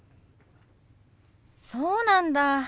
そうなんだ。